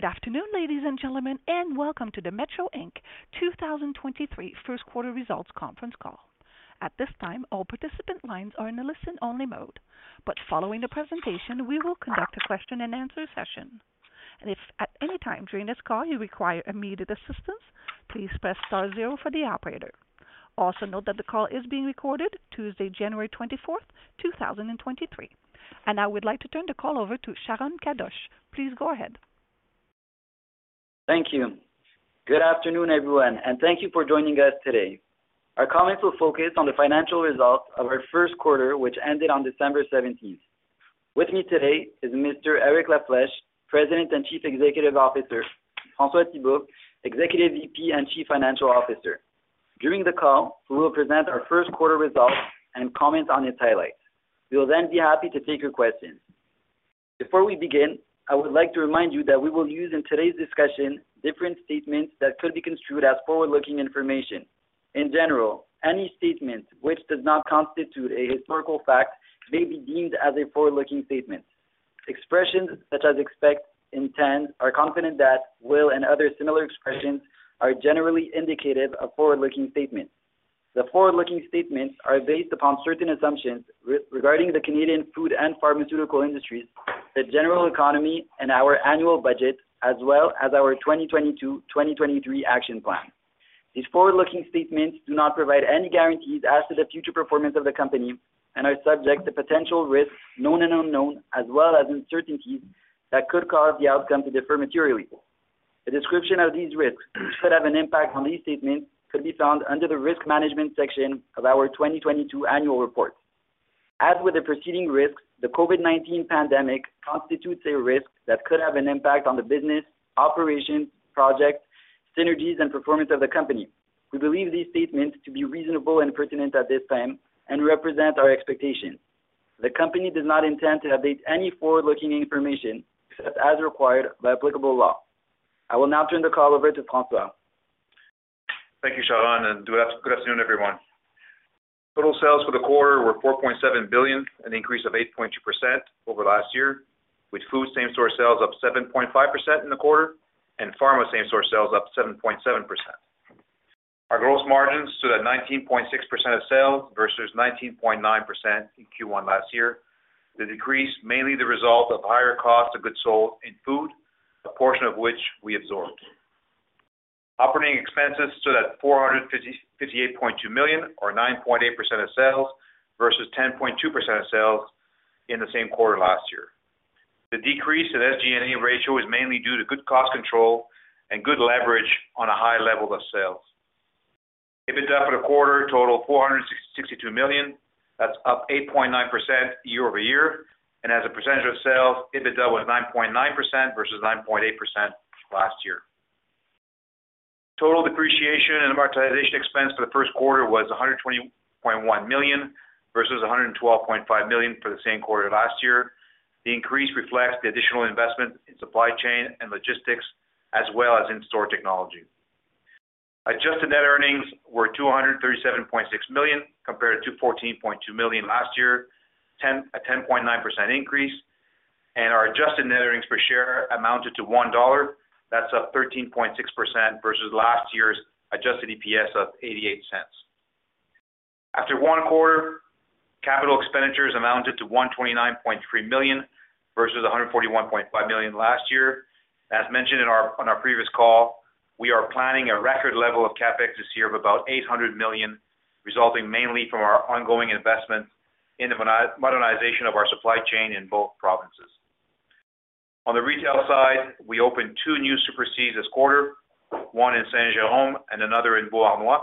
Good afternoon, ladies and gentlemen. Welcome to the Metro Inc. 2023 first quarter results conference call. At this time, all participant lines are in a listen-only mode. Following the presentation, we will conduct a question-and-answer session. If at any time during this call you require immediate assistance, please press star zero for the operator. Also note that the call is being recorded Tuesday, January 24, 2023. I now would like to turn the call over to Sharon Kadoche. Please go ahead. Thank you. Good afternoon, everyone, and thank you for joining us today. Our comments will focus on the financial results of our first quarter, which ended on December 17th. With me today is Mr. Eric La Flèche, President and Chief Executive Officer, François Thibault, Executive VP and Chief Financial Officer. During the call, we will present our first quarter results and comment on its highlights. We will be happy to take your questions. Before we begin, I would like to remind you that we will use in today's discussion different statements that could be construed as forward-looking information. In general, any statement which does not constitute a historical fact may be deemed as a forward-looking statement. Expressions such as expect, intend, are confident that, will, and other similar expressions are generally indicative of forward-looking statements. The forward-looking statements are based upon certain assumptions regarding the Canadian food and pharmaceutical industries, the general economy, and our annual budget, as well as our 2022, 2023 action plan. These forward-looking statements do not provide any guarantees as to the future performance of the company and are subject to potential risks, known and unknown, as well as uncertainties that could cause the outcome to differ materially. A description of these risks could have an impact on these statements could be found under the risk management section of our 2022 annual report. As with the preceding risks, the COVID-19 pandemic constitutes a risk that could have an impact on the business, operations, projects, synergies, and performance of the company. We believe these statements to be reasonable and pertinent at this time and represent our expectations. The company does not intend to update any forward-looking information except as required by applicable law. I will now turn the call over to François. Thank you, Sharon. Good afternoon, everyone. Total sales for the quarter were 4.7 billion, an increase of 8.2% over last year, with food same-store sales up 7.5% in the quarter and pharma same-store sales up 7.7%. Our gross margins stood at 19.6% of sales versus 19.9% in Q1 last year. The decrease mainly the result of higher cost of goods sold in food, a portion of which we absorbed. Operating expenses stood at 458.2 million or 9.8% of sales versus 10.2% of sales in the same quarter last year. The decrease in SG&A ratio is mainly due to good cost control and good leverage on a high level of sales. EBITDA for the quarter totaled CAD 462 million. That's up 8.9% year-over-year. As a percentage of sales, EBITDA was 9.9% versus 9.8% last year. Total depreciation and amortization expense for the first quarter was 120.1 million versus 112.5 million for the same quarter last year. The increase reflects the additional investment in supply chain and logistics as well as in-store technology. Adjusted net earnings were 237.6 million compared to 14.2 million last year, a 10.9% increase. Our adjusted net earnings per share amounted to 1.00 dollar. That's up 13.6% versus last year's adjusted EPS of 0.88. After one quarter, capital expenditures amounted to 129.3 million versus 141.5 million last year. As mentioned on our previous call, we are planning a record level of CapEx this year of about 800 million, resulting mainly from our ongoing investment in the modernization of our supply chain in both provinces. On the retail side, we opened two new Super C this quarter, one in Saint Jérôme and another in Beauharnois.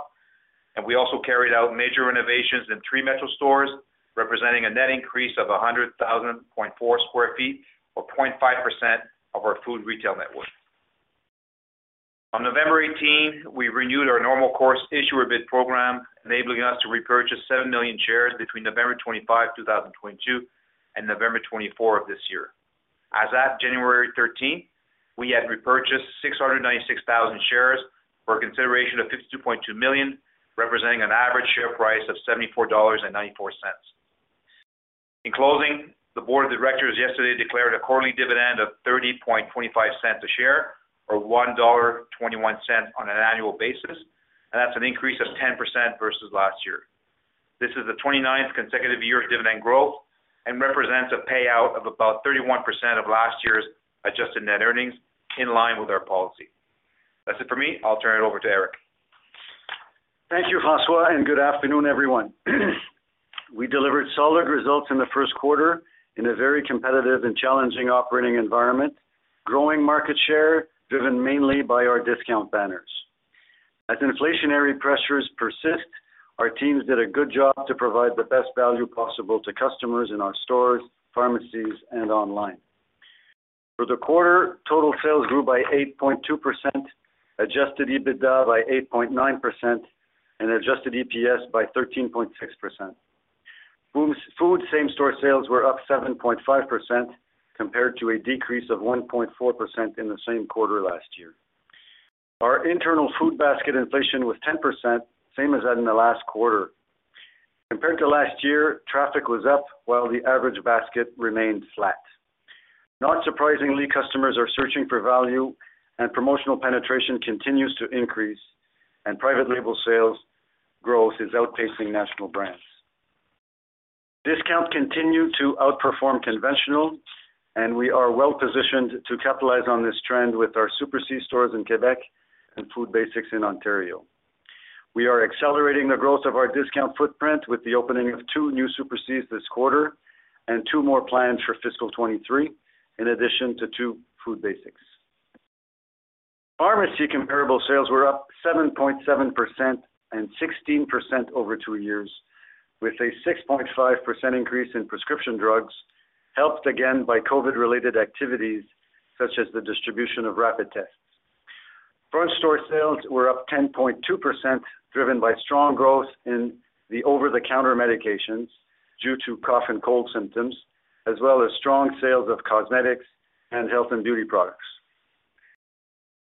We also carried out major renovations in three Metro stores, representing a net increase of 100,000.4 sq ft or 0.5% of our food retail network. On November 18th, we renewed our normal course issuer bid program, enabling us to repurchase 7 million shares between November 25, 2022 and November 24 of this year. As at January 13th, we had repurchased 696,000 shares for a consideration of 52.2 million, representing an average share price of 74.94 dollars. In closing, the board of directors yesterday declared a quarterly dividend of 0.3025 a share or 1.21 dollar on an annual basis, and that's an increase of 10% versus last year. This is the 29th consecutive year of dividend growth and represents a payout of about 31% of last year's adjusted net earnings in line with our policy. That's it for me. I'll turn it over to Eric.. Thank you, François, and good afternoon, everyone. We delivered solid results in the first quarter in a very competitive and challenging operating environment, growing market share driven mainly by our discount banners. As inflationary pressures persist, our teams did a good job to provide the best value possible to customers in our stores, pharmacies, and online. For the quarter, total sales grew by 8.2%, adjusted EBITDA by 8.9% and adjusted EPS by 13.6%. Food same-store sales were up 7.5% compared to a decrease of 1.4% in the same quarter last year. Our internal food basket inflation was 10%, same as in the last quarter. Compared to last year, traffic was up while the average basket remained flat. Not surprisingly, customers are searching for value and promotional penetration continues to increase, and private label sales growth is outpacing national brands. Discounts continue to outperform conventional, and we are well-positioned to capitalize on this trend with our Super C stores in Quebec and Food Basics in Ontario. We are accelerating the growth of our discount footprint with the opening of two new Super C this quarter and two more planned for fiscal 2023, in addition to two Food Basics. Pharmacy comparable sales were up 7.7% and 16% over two years, with a 6.5% increase in prescription drugs, helped again by COVID-related activities such as the distribution of tests. Front store sales were up 10.2%, driven by strong growth in the over-the-counter medications due to cough and cold symptoms, as well as strong sales of cosmetics and health and beauty products.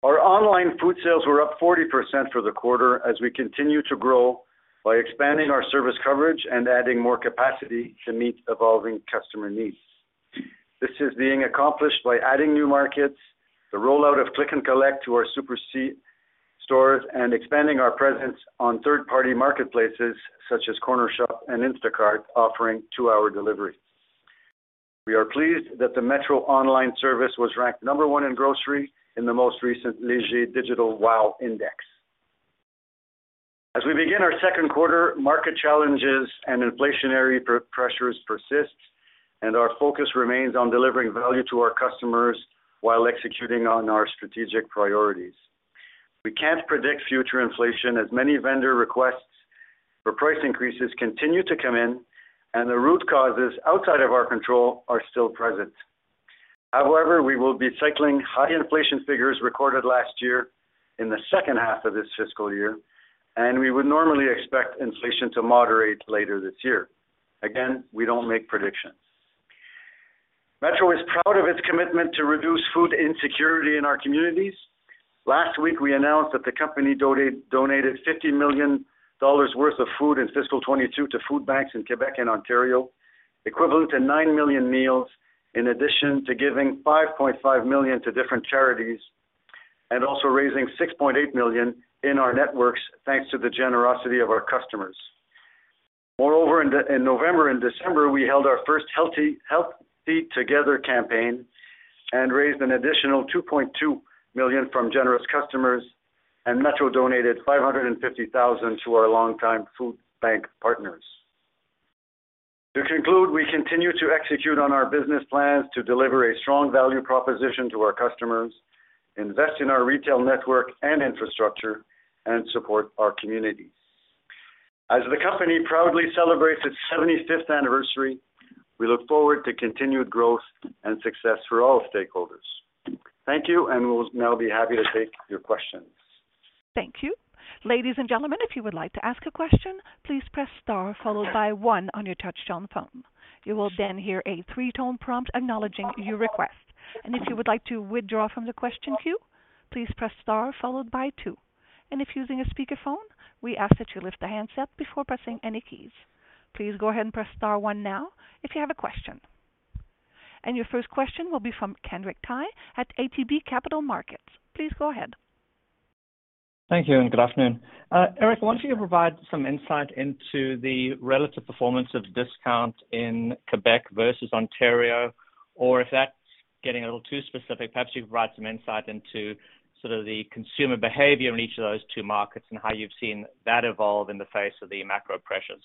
Our online food sales were up 40% for the quarter as we continue to grow by expanding our service coverage and adding more capacity to meet evolving customer needs. This is being accomplished by adding new markets, the rollout of Click and Collect to our Super C stores, and expanding our presence on third-party marketplaces such as Cornershop and Instacart, offering two hour delivery. We are pleased that the Metro online service was ranked number one in grocery in the most recent Léger WOW Digital Index. As we begin our second quarter, market challenges and inflationary pressures persist. Our focus remains on delivering value to our customers while executing on our strategic priorities.. We can't predict future inflation, as many vendor requests for price increases continue to come in and the root causes outside of our control are still present. We will be cycling high inflation figures recorded last year in the second half of this fiscal year, and we would normally expect inflation to moderate later this year. We don't make predictions. Metro is proud of its commitment to reduce food insecurity in our communities. Last week, we announced that the company donated 50 million dollars worth of food in fiscal 2022 to food banks in Quebec and Ontario, equivalent to 9 million meals, in addition to giving 5.5 million to different charities, and also raising 6.8 million in our networks, thanks to the generosity of our customers. Moreover, in November and December, we held our first Healthy Together campaign and raised an additional 2.2 million from generous customers. Metro donated 550,000 to our longtime food bank partners. To conclude, we continue to execute on our business plans to deliver a strong value proposition to our customers, invest in our retail network and infrastructure, and support our communities. As the company proudly celebrates its 75th anniversary, we look forward to continued growth and success for all stakeholders. Thank you. We'll now be happy to take your questions. Thank you. Ladies and gentlemen, if you would like to ask a question, please press star followed by one on your touchtone phone. You will then hear a three-tone prompt acknowledging your request. If you would like to withdraw from the question queue, please press star followed by two. If using a speakerphone, we ask that you lift the handset before pressing any keys. Please go ahead and press star one now if you have a question. Your first question will be from Kenric Tyghe at ATB Capital Markets. Please go ahead. Thank you. Good afternoon. Eric, why don't you provide some insight into the relative performance of discount in Quebec versus Ontario? If that's getting a little too specific, perhaps you could provide some insight into sort of the consumer behavior in each of those two markets and how you've seen that evolve in the face of the macro pressures.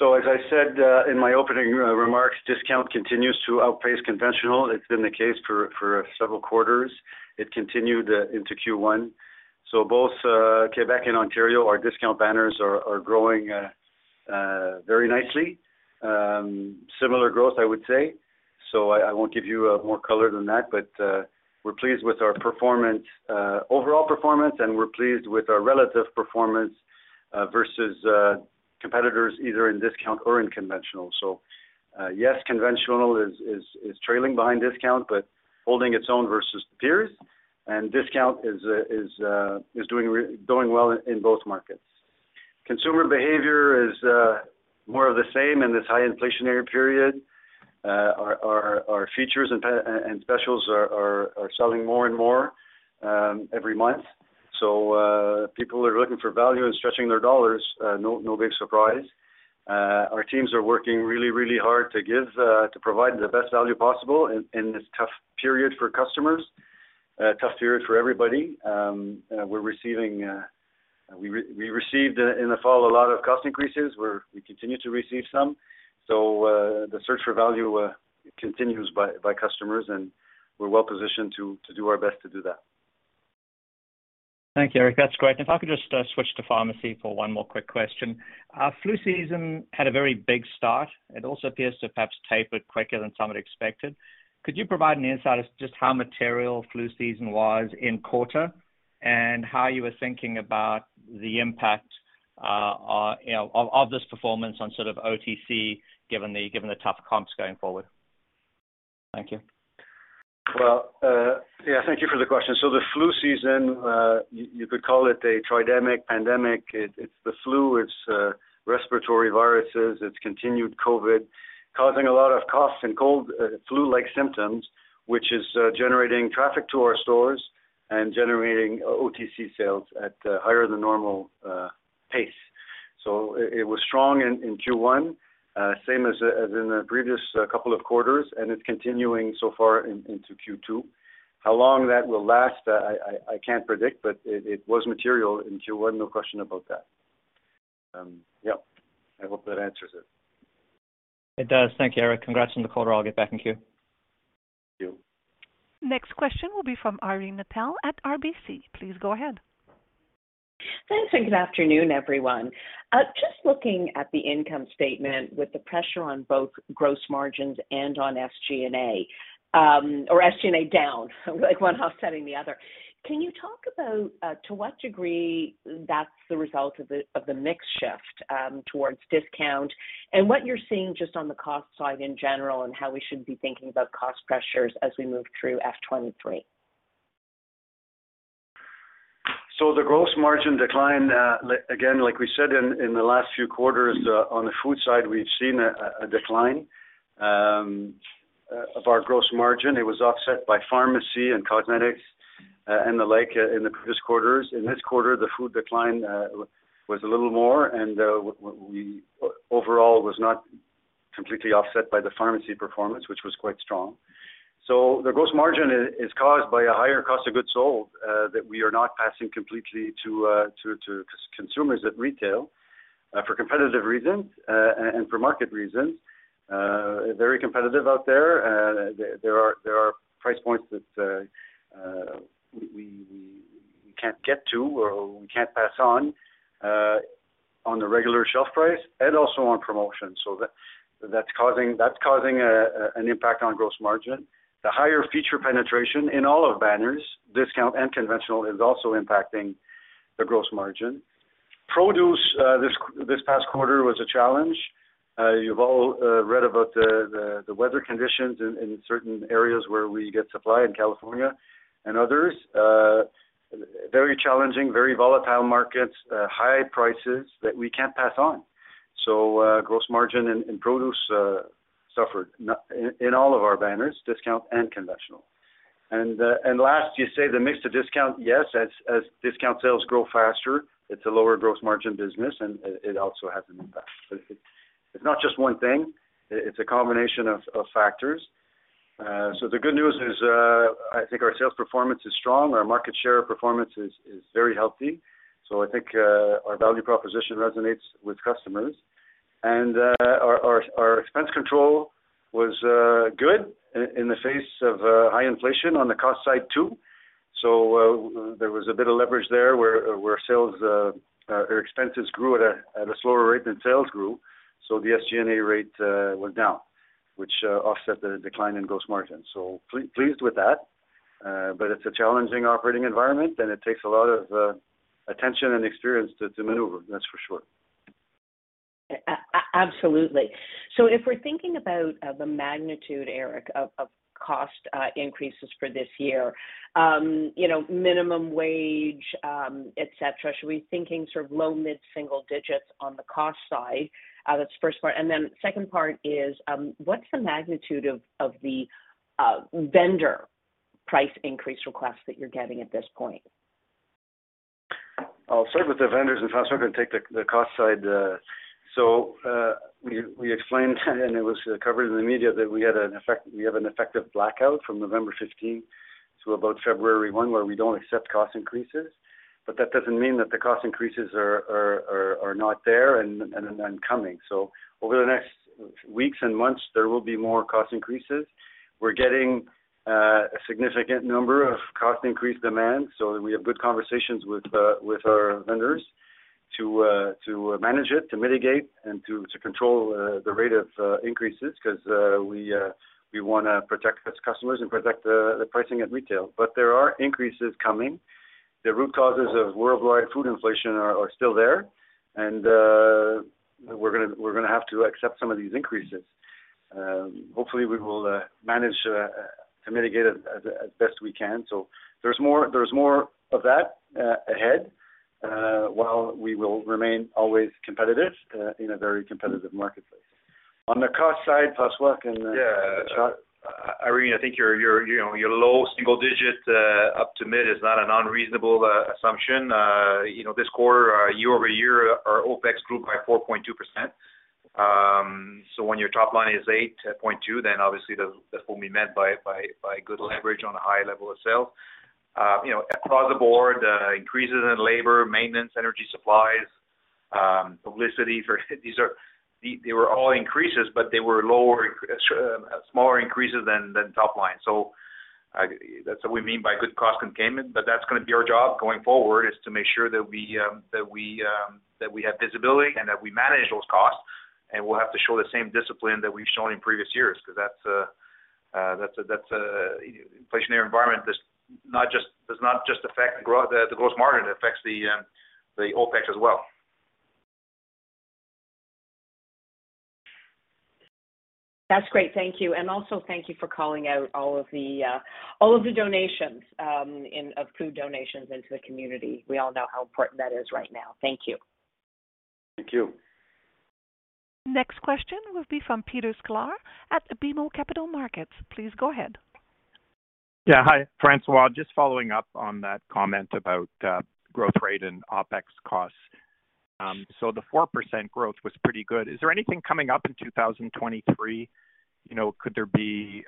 As I said, in my opening remarks, discount continues to outpace conventional. It's been the case for several quarters. It continued into Q1. Both Quebec and Ontario, our discount banners are growing very nicely. Similar growth, I would say. I won't give you more color than that, but we're pleased with our performance, overall performance, and we're pleased with our relative performance versus competitors either in discount or in conventional. Yes, conventional is trailing behind discount, but holding its own versus peers. Discount is doing well in both markets. Consumer behavior is more of the same in this high inflationary period. Our features and specials are selling more and more every month. People are looking for value and stretching their dollars, no big surprise. Our teams are working really, really hard to give to provide the best value possible in this tough period for customers, tough period for everybody. We're receiving, we received in the fall a lot of cost increases, we continue to receive some. The search for value continues by customers, and we're well positioned to do our best to do that. Thank you, Eric. That's great. If I could just switch to pharmacy for one more quick question. Flu season had a very big start. It also appears to perhaps tapered quicker than some had expected. Could you provide an insight as just how material flu season was in quarter, and how you were thinking about the impact- you know, of this performance on sort of OTC given the tough comps going forward. Thank you. Well, yeah, thank you for the question. The flu season, you could call it a tridemic pandemic. It's the flu, it's respiratory viruses, it's continued COVID causing a lot of cough and cold, flu-like symptoms, which is generating traffic to our stores and generating OTC sales at a higher than normal pace. It was strong in Q1, same as in the previous couple of quarters, and it's continuing so far into Q2. How long that will last, I can't predict, but it was material in Q1, no question about that. Yep, I hope that answers it. It does. Thank you, Eric. Congrats on the quarter. I'll get back in queue. Thank you. Next question will be from Irene Nattel at RBC. Please go ahead. Thanks. Good afternoon, everyone. Just looking at the income statement with the pressure on both gross margins and on SG&A, or SG&A down, like one offsetting the other. Can you talk about to what degree that's the result of the mix shift towards discount, and what you're seeing just on the cost side in general and how we should be thinking about cost pressures as we move through F-2023? The gross margin decline, again, like we said in the last few quarters, on the food side we've seen a decline of our gross margin. It was offset by pharmacy and cosmetics and the like in the previous quarters. In this quarter, the food decline was a little more and we overall was not completely offset by the pharmacy performance, which was quite strong. The gross margin is caused by a higher cost of goods sold that we are not passing completely to consumers at retail for competitive reasons and for market reasons, very competitive out there. There are price points that we can't get to or we can't pass on on the regular shelf price and also on promotions. That's causing an impact on gross margin. The higher feature penetration in all of banners, discount and conventional, is also impacting the gross margin. Produce, this past quarter was a challenge. You've all read about the weather conditions in certain areas where we get supply in California and others. Very challenging, very volatile markets, high prices that we can't pass on. Gross margin in produce suffered in all of our banners, discount and conventional. Last, you say the mix to discount. Yes, as discount sales grow faster, it's a lower gross margin business and it also has an impact. It's not just one thing, it's a combination of factors. The good news is, I think our sales performance is strong. Our market share performance is very healthy. I think our value proposition resonates with customers. Our expense control was good in the face of high inflation on the cost side, too. There was a bit of leverage there where sales or expenses grew at a slower rate than sales grew. The SG&A rate went down, which offset the decline in gross margin. Pleased with that. It's a challenging operating environment, and it takes a lot of attention and experience to maneuver, that's for sure. Absolutely. If we're thinking about the magnitude, Eric, of cost increases for this year, you know, minimum wage, et cetera, should we be thinking sort of low mid-single digits on the cost side? That's the first part. Second part is, what's the magnitude of the vendor price increase requests that you're getting at this point? I'll start with the vendors and Pasquale can take the cost side. We explained and it was covered in the media that we have an effective blackout from November 15 to about February 1, where we don't accept cost increases. That doesn't mean that the cost increases are not there and then coming. Over the next weeks and months, there will be more cost increases. We're getting a significant number of cost increase demand, so we have good conversations with our vendors to manage it, to mitigate, and to control the rate of increases because we wanna protect its customers and protect the pricing at retail. There are increases coming. The root causes of worldwide food inflation are still there and we're gonna have to accept some of these increases. Hopefully we will manage to mitigate as best we can. There's more of that ahead while we will remain always competitive in a very competitive marketplace. On the cost side, Pasquale can. Yeah. Take the shot. Irene, I think your, you know, your low single digit up to mid is not an unreasonable assumption. You know, this quarter, year-over-year, our OpEx grew by 4.2%. When your top line is 8.2%, obviously that will be met by good leverage on a high level of sale. You know, across the board, increases in labor, maintenance, energy supplies, publicity for. They were all increases, but they were smaller increases than top line. That's what we mean by good cost containment, but that's gonna be our job going forward, is to make sure that we have visibility and that we manage those costs. we'll have to show the same discipline that we've shown in previous years because that's. That's a inflationary environment that does not just affect the gross margin, it affects the OpEx as well. That's great. Thank you. Also thank you for calling out all of the, all of the donations, of food donations into the community. We all know how important that is right now. Thank you. Thank you. Next question will be from Peter Sklar at BMO Capital Markets. Please go ahead. Hi, François. Just following up on that comment about growth rate and OpEx costs. The 4% growth was pretty good. Is there anything coming up in 2023? You know, could there be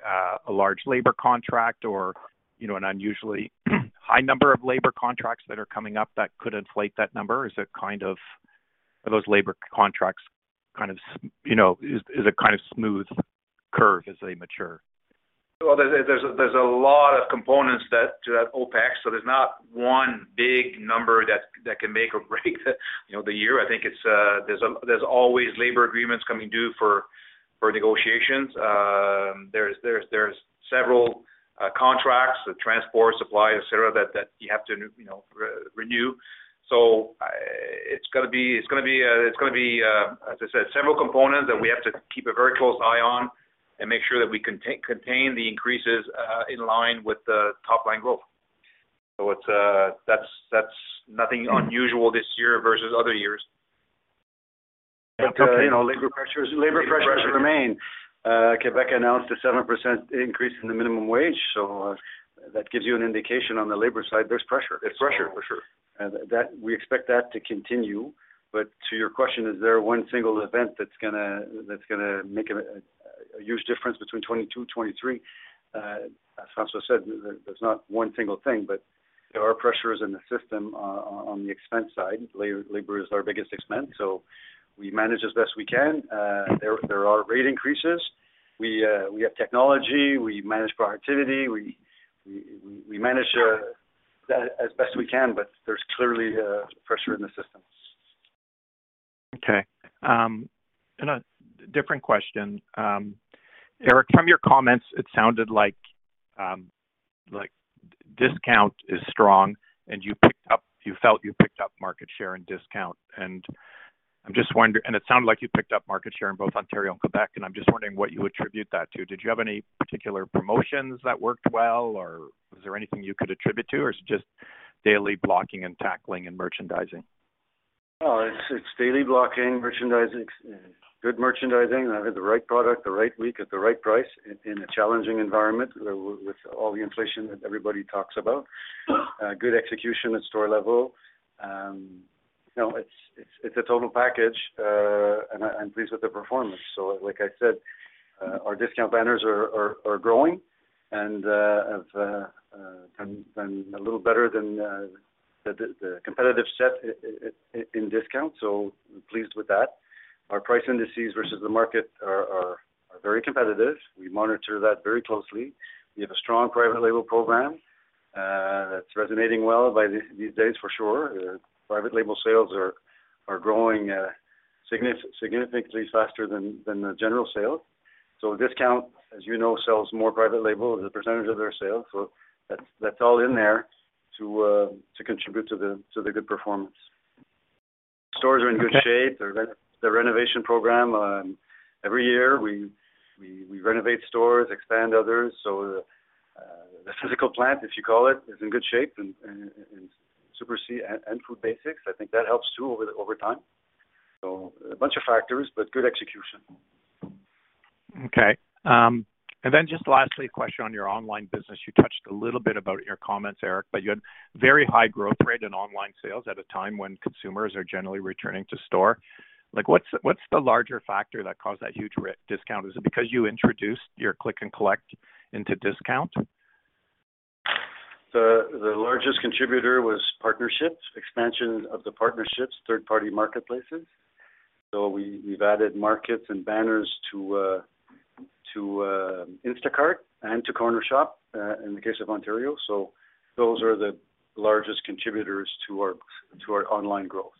a large labor contract or, you know, an unusually high number of labor contracts that are coming up that could inflate that number? Is it kind of? Are those labor contracts kind of, you know, is it kind of smooth curve as they mature? Well, there's a lot of components that, to that OpEx. There's not one big number that can make or break, you know, the year. I think it's, there's always labor agreements coming due for negotiations. There's several contracts with transport suppliers, et cetera, that you have to, you know, renew. It's gonna be, it's gonna be, it's gonna be, as I said, several components that we have to keep a very close eye on and make sure that we contain the increases in line with the top line growth. It's. That's nothing unusual this year versus other years. You know, labor pressures remain. Quebec announced a 7% increase in the minimum wage. That gives you an indication on the labor side, there's pressure. There's pressure, for sure. That we expect that to continue. To your question, is there one single event that's gonna make a huge difference between 2022, 2023? As François said, there's not one single thing, but there are pressures in the system on the expense side. Labor is our biggest expense, so we manage as best we can. There are rate increases. We have technology, we manage productivity, we manage that as best we can, but there's clearly pressure in the system. A different question. Eric, from your comments, it sounded like like discount is strong and you felt you picked up market share and discount. It sounded like you picked up market share in both Ontario and Quebec, and I'm just wondering what you attribute that to. Did you have any particular promotions that worked well, or was there anything you could attribute to, or is it just daily blocking and tackling and merchandising? No, it's daily blocking, merchandising, good merchandising. Having the right product, the right week at the right price in a challenging environment with all the inflation that everybody talks about. Good execution at store level. You know, it's a total package, and I'm pleased with the performance. Like I said, our discount banners are growing and have been a little better than the competitive set in discount, so we're pleased with that. Our price indices versus the market are very competitive. We monitor that very closely. We have a strong private label program that's resonating well by these days, for sure. Private label sales are growing significantly faster than the general sales. Discount, as you know, sells more private label as a percentage of their sales. That's all in there to contribute to the good performance. Stores are in good shape. The renovation program, every year we renovate stores, expand others. The physical plant, if you call it, is in good shape and Super C and Food Basics, I think that helps too over time. A bunch of factors, but good execution. Okay. Just lastly, a question on your online business. You touched a little bit about your comments, Eric. You had very high growth rate in online sales at a time when consumers are generally returning to store. What's the larger factor that caused that huge discount? Is it because you introduced your Click and Collect into discount? The largest contributor was partnerships, expansion of the partnerships, third-party marketplaces. We've added markets and banners to Instacart and to Cornershop in the case of Ontario. Those are the largest contributors to our online growth.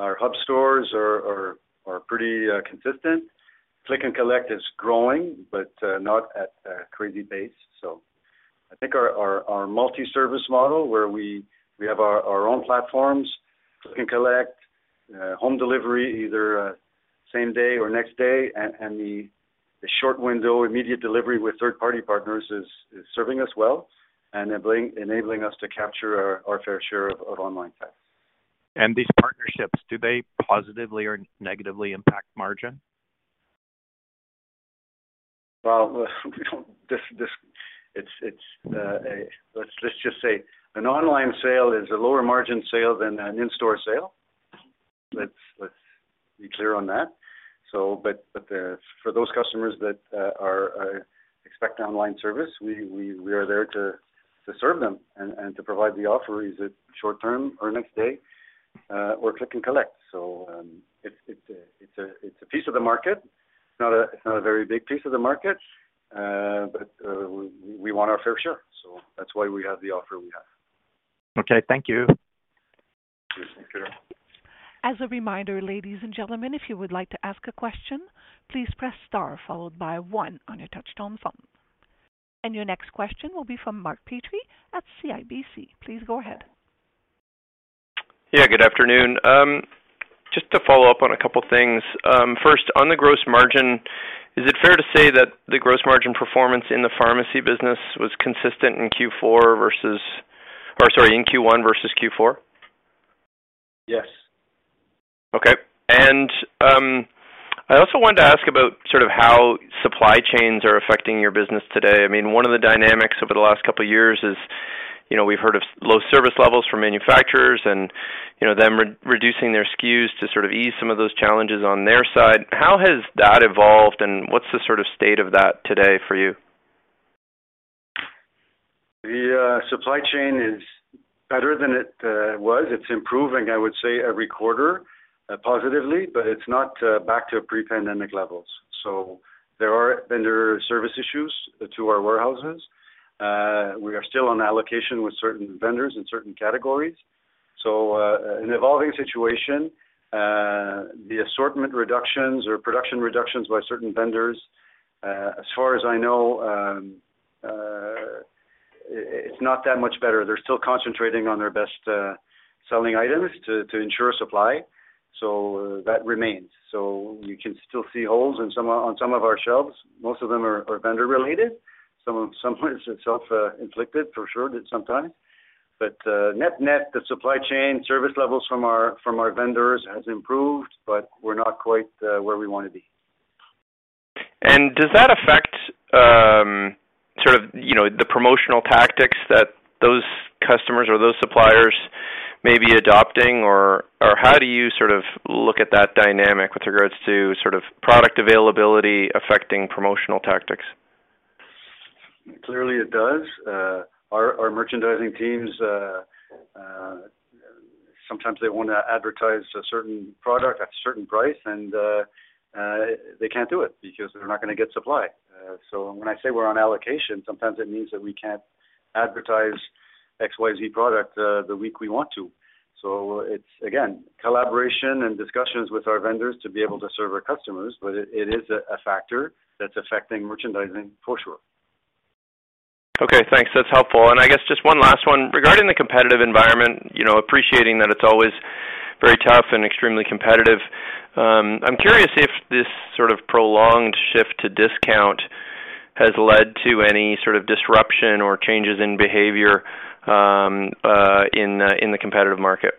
Our hub stores are pretty consistent. Click and Collect is growing, but not at a crazy pace. I think our multi-service model where we have our own platforms, Click and Collect, home delivery, either same day or next day and the short window immediate delivery with third-party partners is serving us well and enabling us to capture our fair share of online sales. These partnerships, do they positively or negatively impact margin? Well, this it's. Let's just say an online sale is a lower margin sale than an in-store sale. Let's be clear on that. But for those customers that are expect online service, we are there to serve them and to provide the offer, is it short term or next day, or Click and Collect. It's a piece of the market. It's not a very big piece of the market, but we want our fair share, so that's why we have the offer we have. Okay, thank you. As a reminder, ladies and gentlemen, if you would like to ask a question, please press star followed by one on your touch-tone phone. Your next question will be from Mark Petrie at CIBC. Please go ahead. Yeah, good afternoon. Just to follow up on a couple of things. First, on the gross margin, is it fair to say that the gross margin performance in the pharmacy business was consistent in Q4 or sorry, in Q1 versus Q4? Yes. Okay. I also wanted to ask about sort of how supply chains are affecting your business today. I mean, one of the dynamics over the last couple of years is, you know, we've heard of low service levels from manufacturers and, you know, them re-reducing their SKUs to sort of ease some of those challenges on their side. How has that evolved and what's the sort of state of that today for you? The supply chain is better than it was. It's improving, I would say, every quarter, positively, but it's not back to pre-pandemic levels. There are vendor service issues to our warehouses. We are still on allocation with certain vendors in certain categories. An evolving situation, the assortment reductions or production reductions by certain vendors, as far as I know, it's not that much better. They're still concentrating on their best selling items to ensure supply. That remains. You can still see holes on some of our shelves. Most of them are vendor-related. Some of it is self-inflicted for sure, sometimes. Net-net, the supply chain service levels from our vendors has improved, but we're not quite where we wanna be. Does that affect, sort of, you know, the promotional tactics that those customers or those suppliers may be adopting? How do you sort of look at that dynamic with regards to sort of product availability affecting promotional tactics? Clearly, it does. Our merchandising teams, sometimes they want to advertise a certain product at a certain price, they can't do it because they're not going to get supply. When I say we're on allocation, sometimes it means that we can't advertise XYZ product, the week we want to. It's, again, collaboration and discussions with our vendors to be able to serve our customers. It is a factor that's affecting merchandising for sure. Okay, thanks. That's helpful. I guess just one last one. Regarding the competitive environment, you know, appreciating that it's always very tough and extremely competitive, I'm curious if this sort of prolonged shift to discount has led to any sort of disruption or changes in behavior in the competitive market.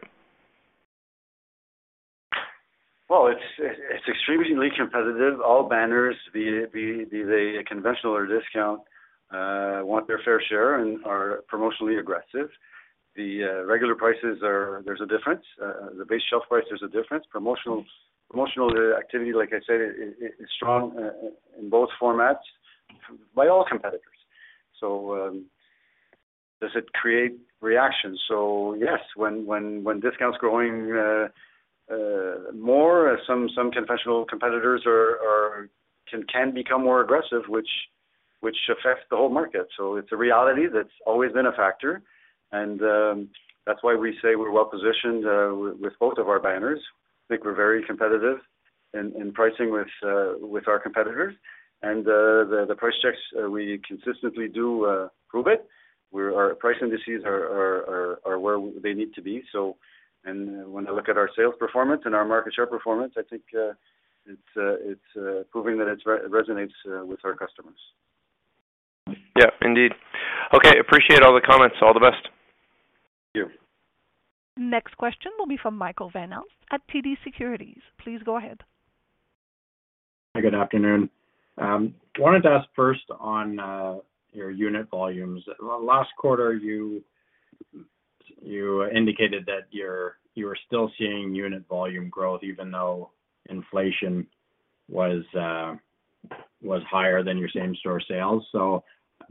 Well, it's extremely competitive. All banners, be they conventional or discount, want their fair share and are promotionally aggressive. The regular prices, there's a difference. The base shelf price, there's a difference. Promotional activity, like I said, is strong in both formats by all competitors. Does it create reactions? Yes, when discount's growing more, some conventional competitors can become more aggressive, which affects the whole market. It's a reality that's always been a factor. That's why we say we're well-positioned with both of our banners. I think we're very competitive in pricing with our competitors. The price checks we consistently do prove it. Our price indices are where they need to be. When I look at our sales performance and our market share performance, I think, it's proving that it resonates with our customers. Yeah, indeed. Okay. Appreciate all the comments. All the best. Thank you. Next question will be from Michael Van Aelst at TD Securities. Please go ahead. Good afternoon. Wanted to ask first on your unit volumes. Last quarter, you indicated that you were still seeing unit volume growth even though inflation was higher than your same-store sales.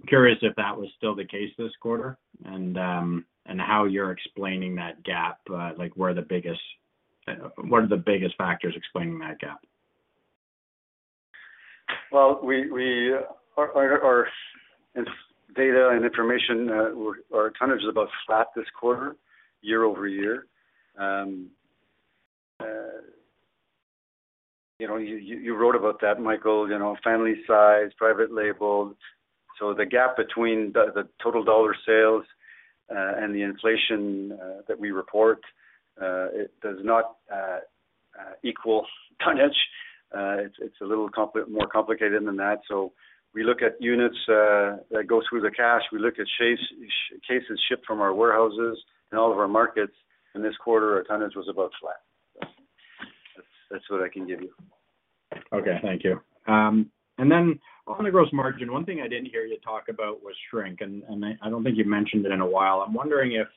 I'm curious if that was still the case this quarter and how you're explaining that gap, like where are the biggest, what are the biggest factors explaining that gap? Well, we our data and information, our tonnage is about flat this quarter, year-over-year. You know, you wrote about that, Michael, you know, family size, private label. The gap between the total dollar sales and the inflation that we report, it does not equal tonnage. It's a little more complicated than that. We look at units that go through the cash. We look at cases shipped from our warehouses in all of our markets. In this quarter, our tonnage was about flat. That's what I can give you. Okay. Thank you. On the gross margin, one thing I didn't hear you talk about was shrink, and I don't think you've mentioned it in a while. I'm wondering if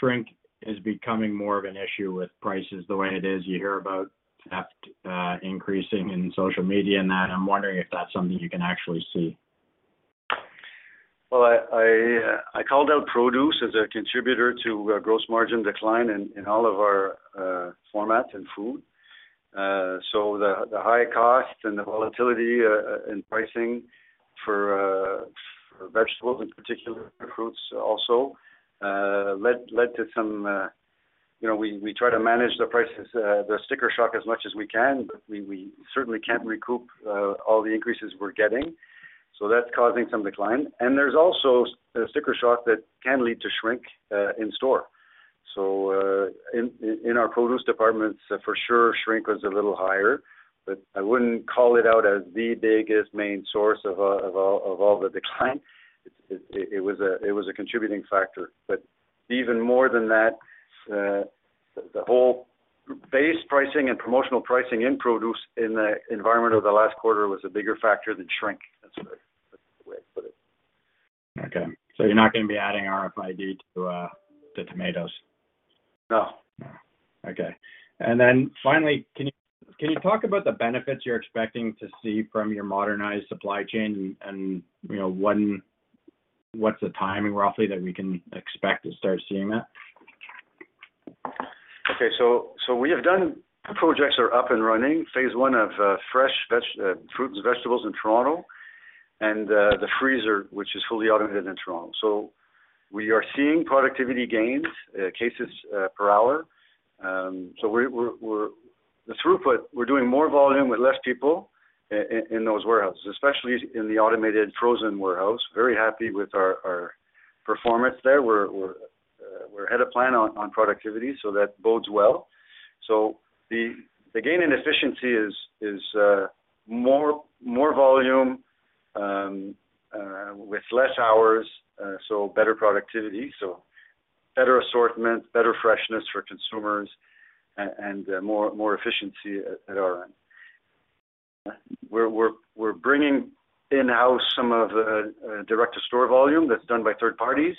shrink is becoming more of an issue with prices the way it is. You hear about theft increasing in social media and that. I'm wondering if that's something you can actually see? I called out produce as a contributor to gross margin decline in all of our formats in food. The high cost and the volatility in pricing for vegetables in particular, fruits also, led to some, you know, we try to manage the prices, the sticker shock as much as we can, but we certainly can't recoup all the increases we're getting. That's causing some decline. There's also a sticker shock that can lead to shrink in store. In our produce departments, for sure, shrink was a little higher, but I wouldn't call it out as the biggest main source of all the decline. It was a contributing factor. Even more than that, the whole base pricing and promotional pricing in produce in the environment over the last quarter was a bigger factor than shrink. That's the way to put it. Okay. you're not be adding RFID to the tomatoes? No. No. Okay. finally, can you talk about the benefits you're expecting to see from your modernized supply chain and, you know, what's the timing roughly that we can expect to start seeing that? Okay. Projects are up and running. Phase I of fresh veg, fruits and vegetables in Toronto and the freezer, which is fully automated in Toronto. We are seeing productivity gains, cases per hour. We're doing more volume with less people in those warehouses, especially in the automated frozen warehouse. Very happy with our performance there. We're ahead of plan on productivity, so that bodes well. The gain in efficiency is more volume with less hours, so better productivity, better assortment, better freshness for consumers and more efficiency at our end. We're bringing in-house some of direct-to-store volume that's done by third parties.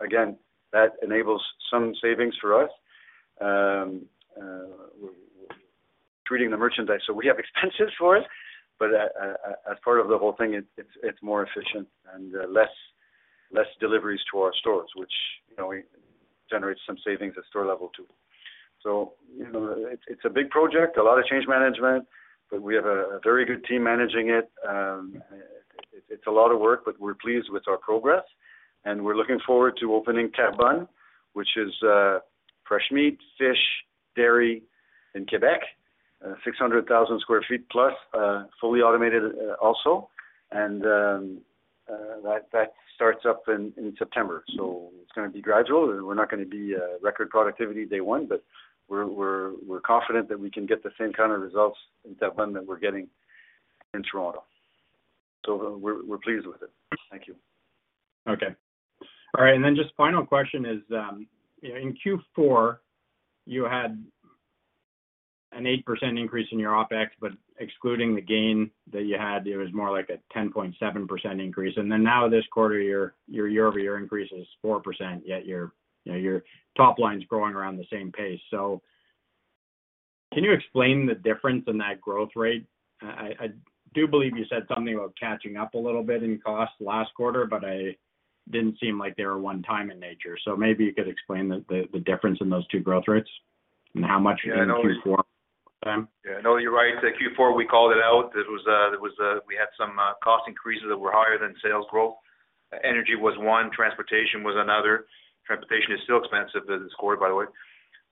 Again, that enables some savings for us. We're treating the merchandise. We have expenses for it, but as part of the whole thing, it's more efficient and less deliveries to our stores, which, you know, generates some savings at store level too. You know, it's a big project, a lot of change management, but we have a very good team managing it. It's a lot of work, but we're pleased with our progress and we're looking forward to opening Terrebonne, which is fresh meat, fish, dairy in Quebec. 600,000 sq ft plus, fully automated also. That starts up in September. It's gonna be gradual, and we're not gonna be record productivity day one, but we're confident that we can get the same kind of results in Terrebonne that we're getting in Toronto. We're pleased with it. Thank you. Okay. All right. Just final question is, you know, in Q4, you had an 8% increase in your OpEx, but excluding the gain that you had, it was more like a 10.7% increase. Now this quarter, your year-over-year increase is 4%, yet your, you know, your top line's growing around the same pace. Can you explain the difference in that growth rate? I do believe you said something about catching up a little bit in cost last quarter, but didn't seem like they were one-time in nature. Maybe you could explain the difference in those two growth rates and how much in Q4- Yeah, no, you're right. The Q4, we called it out. It was, we had some cost increases that were higher than sales growth. Energy was one, transportation was another. Transportation is still expensive this quarter, by the way.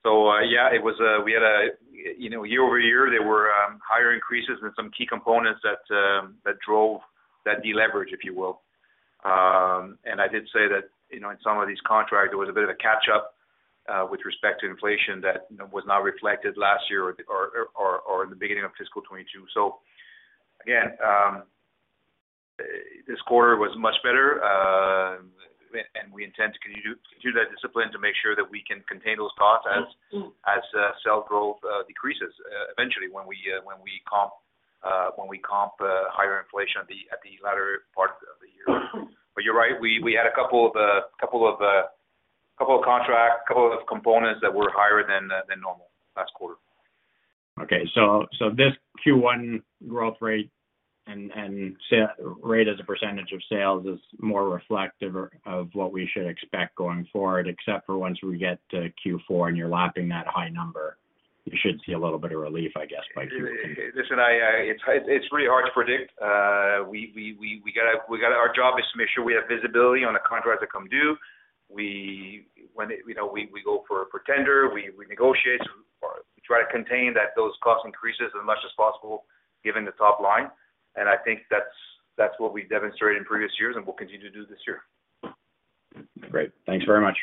Yeah, it was, we had a, you know, year-over-year, there were higher increases in some key components that drove that deleverage, if you will. I did say that, you know, in some of these contracts, there was a bit of a catch up with respect to inflation that was not reflected last year or in the beginning of fiscal 2022. Again, this quarter was much better, and we intend to continue to do that discipline to make sure that we can contain those costs as sale growth decreases eventually when we comp higher inflation at the latter part of the year. You're right. We had a couple of contracts, a couple of components that were higher than normal last quarter. This Q1 growth rate and rate as a % of sales is more reflective of what we should expect going forward, except for once we get to Q4 and you're lapping that high number, you should see a little bit of relief, I guess, by Q2. Listen, it's really hard to predict. Our job is to make sure we have visibility on the contracts that come due. When it, you know, we go for tender, we negotiate, we try to contain those cost increases as much as possible given the top line. I think that's what we've demonstrated in previous years and we'll continue to do this year. Great. Thanks very much.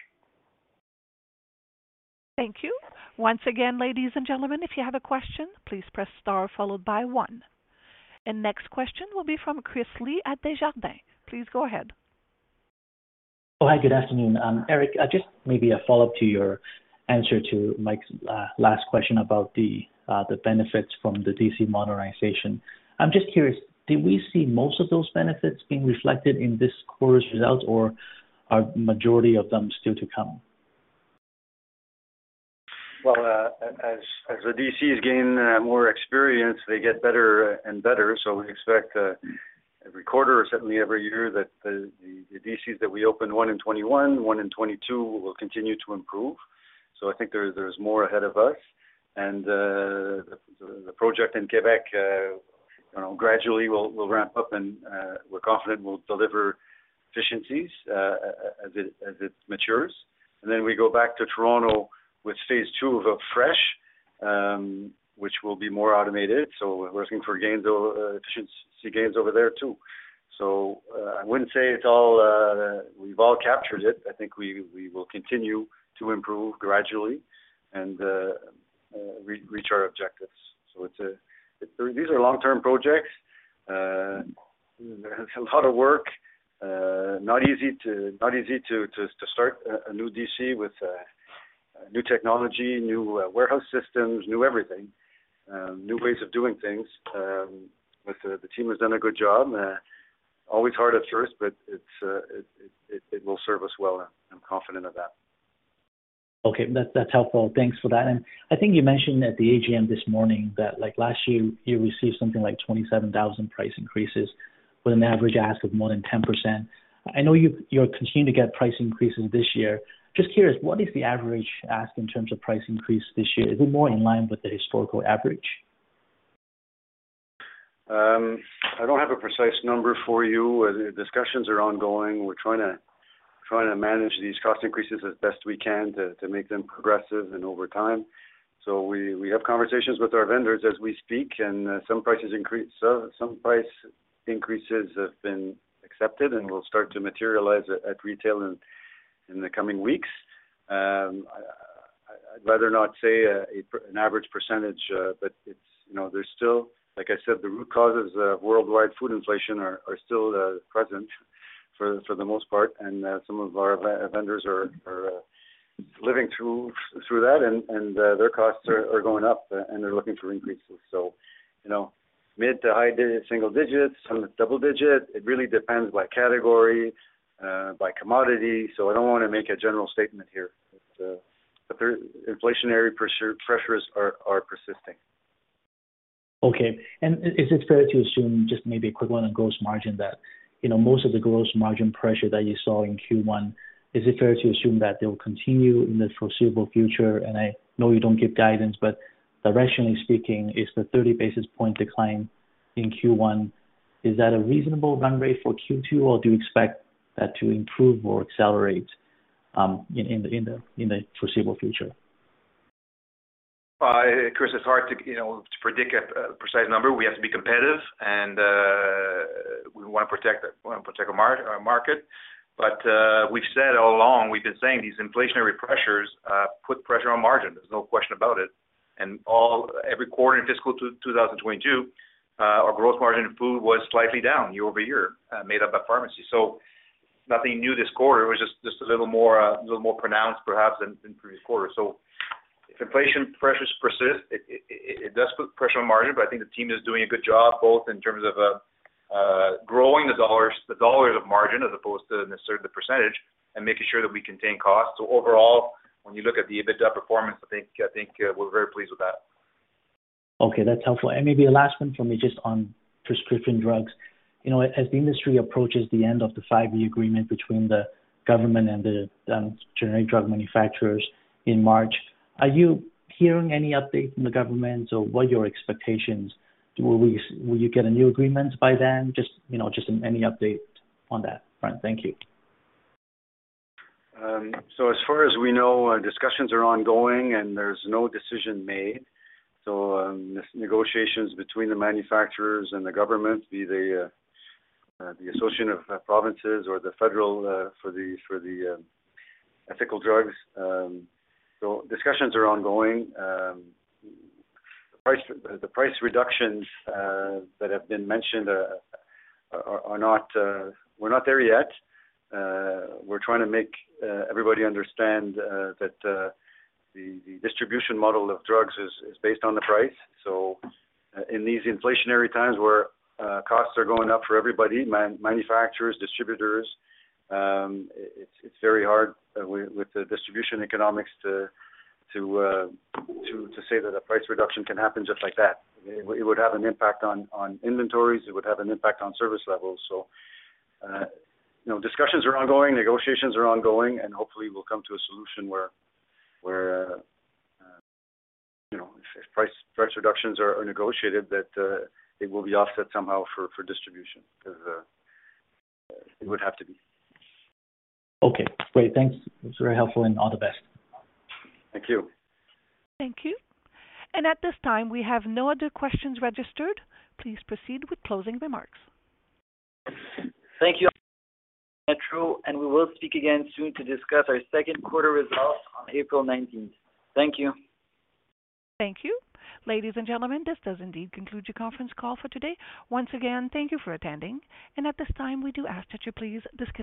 Thank you. Once again, ladies and gentlemen, if you have a question, please press star followed by one. Next question will be from Chris Li at Desjardins. Please go ahead. Hi, good afternoon. Eric, just maybe a follow-up to your answer to Mike's last question about the benefits from the DC modernization. I'm just curious, did we see most of those benefits being reflected in this quarter's results, or are majority of them still to come? As the DCs gain more experience, they get better and better. We expect every quarter or certainly every year that the DCs that we opened, one in 2021, one in 2022, will continue to improve. I think there's more ahead of us, and the project in Quebec, you know, gradually will ramp up and we're confident will deliver efficiencies as it matures. We go back to Toronto with phase II of Fresh, which will be more automated. We're looking for efficiency gains over there too. I wouldn't say it's all we've all captured it. I think we will continue to improve gradually and re-reach our objectives. These are long-term projects. There's a lot of work. Not easy to start a new D.C. with new technology, new warehouse systems, new everything, new ways of doing things. The team has done a good job. Always hard at first, but it will serve us well, I'm confident of that. Okay. That's helpful. Thanks for that. I think you mentioned at the AGM this morning that, like, last year, you received something like 27,000 price increases with an average ask of more than 10%. I know you're continuing to get price increases this year. Just curious, what is the average ask in terms of price increase this year? Is it more in line with the historical average? I don't have a precise number for you. The discussions are ongoing. We're trying to manage these cost increases as best we can to make them progressive and over time. We have conversations with our vendors as we speak, and some prices increase. Some price increases have been accepted and will start to materialize at retail in the coming weeks. I'd rather not say an average percentage, but it's, you know, there's still, like I said, the root causes of worldwide food inflation are still present for the most part. Some of our vendors are living through that and their costs are going up and they're looking for increases. You know, mid to high single digits, some double digit. It really depends by category, by commodity. I don't wanna make a general statement here. Inflationary pressures are persisting. Okay. Is it fair to assume, just maybe a quick one on gross margin, that, you know, most of the gross margin pressure that you saw in Q1, is it fair to assume that they'll continue in the foreseeable future? I know you don't give guidance, but directionally speaking, is the 30 basis point decline in Q1, is that a reasonable run rate for Q2, or do you expect that to improve or accelerate in the foreseeable future? Chris, it's hard to, you know, to predict a precise number. We have to be competitive. We wanna protect our market. We've said all along, we've been saying these inflationary pressures put pressure on margin, there's no question about it. Every quarter in fiscal 2022, our growth margin in food was slightly down year-over-year, made up by pharmacy. Nothing new this quarter. It was just a little more, a little more pronounced perhaps than previous quarters. If inflation pressures persist, it does put pressure on margin, but I think the team is doing a good job, both in terms of growing the dollars of margin as opposed to necessarily the percentage and making sure that we contain costs. overall, when you look at the EBITDA performance, I think, we're very pleased with that. Okay. That's helpful. Maybe last one for me, just on prescription drugs. You know, as the industry approaches the end of the five-year agreement between the government and the generic drug manufacturers in March, are you hearing any update from the government? What are your expectations? Will you Get a new agreement by then? Just, you know, just any update on that front. Thank you. As far as we know, discussions are ongoing and there's no decision made. Negotiations between the manufacturers and the government, be they the Association of Provinces or the federal, for the ethical drugs. Discussions are ongoing. The price reductions that have been mentioned are not... We're not there yet. We're trying to make everybody understand that the distribution model of drugs is based on the price. In these inflationary times where costs are going up for everybody, manufacturers, distributors, it's very hard with the distribution economics to say that a price reduction can happen just like that. It would have an impact on inventories. It would have an impact on service levels. You know, discussions are ongoing, negotiations are ongoing, and hopefully we'll come to a solution where, you know, if price reductions are negotiated that, it will be offset somehow for distribution 'cause it would have to be. Okay, great. Thanks. It's very helpful, and all the best. Thank you. Thank you. At this time, we have no other questions registered. Please proceed with closing remarks. Thank you, Metro. We will speak again soon to discuss our second quarter results on April nineteenth. Thank you. Thank you. Ladies and gentlemen, this does indeed conclude your conference call for today. Once again, thank you for attending. At this time, we do ask that you please disconnect.